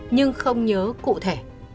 nhưng không nhớ cụ thể